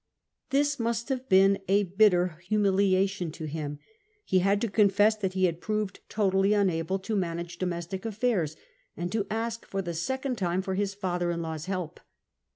This must have been a bitter humiliation to him ; he had to confess that he had proved totally unable to manage domestic aifairs, and to ask for the second time for his father in law's help.